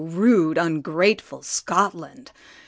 rude ungrateful Scotland!